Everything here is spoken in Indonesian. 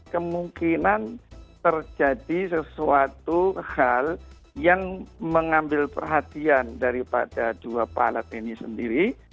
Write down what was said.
kemungkinan terjadi sesuatu hal yang mengambil perhatian daripada dua pilot ini sendiri